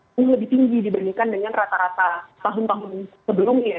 itu lebih tinggi dibandingkan dengan rata rata tahun tahun sebelumnya